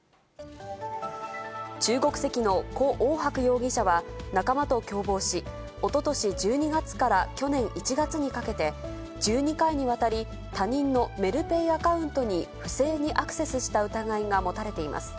中国籍の胡奥博容疑者は仲間と共謀し、おととし１２月から去年１月にかけて、１２回にわたり、他人のメルペイアカウントに不正にアクセスした疑いが持たれています。